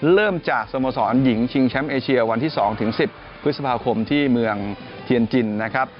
เริ่มจากสโมสรหญิงชิงแชมป์เอเชียวันที่๒๑๐พฤษภาคมที่เมืองเทียนจินนะครับ